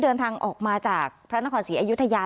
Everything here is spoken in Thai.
เดินทางออกมาจากพระนครศรีอยุธยา